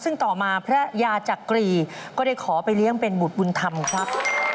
ซึ่งต่อมาพระยาจักรีก็ได้ขอไปเลี้ยงเป็นบุตรบุญธรรมครับ